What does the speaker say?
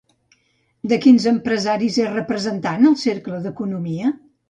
De quins empresaris és representant el Cercle d'Economia?